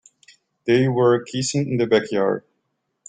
They were kissing in the backyard.